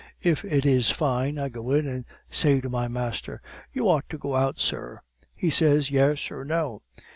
If it is fine, I go in and say to my master: "'You ought to go out, sir.' "He says Yes, or No.